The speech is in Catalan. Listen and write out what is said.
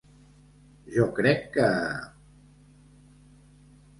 Jo crec que...